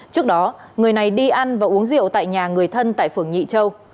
trước đó người này đi ăn và uống rượu tại nhà người thân tại phường nhị châu